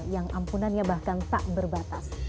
yang ampunannya bahkan tak berbatas